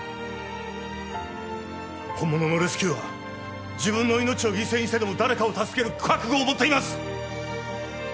本物のレスキューは自分の命を犠牲にしてでも誰かを助ける覚悟を持っています！